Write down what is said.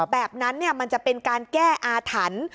แบบนั้นมันจะเป็นการแก้อาถรรพ์